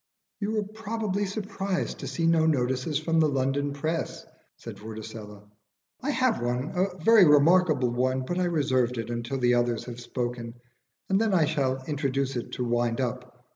"You are probably surprised to see no notices from the London press," said Vorticella. "I have one a very remarkable one. But I reserve it until the others have spoken, and then I shall introduce it to wind up.